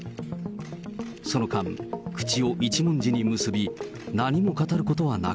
その間、口を一文字に結び、何も語ることはなく。